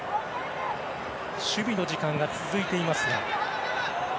守備の時間が続いています。